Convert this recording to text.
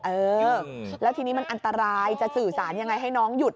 เออแล้วทีนี้มันอันตรายจะสื่อสารยังไงให้น้องหยุด